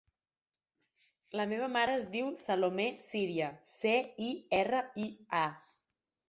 La meva mare es diu Salomé Ciria: ce, i, erra, i, a.